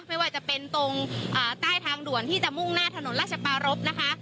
ไม่ว่าจะเป็นตรงใต้ทางด่วนที่จะมุ่งหน้าถนนราชปารพนะคะ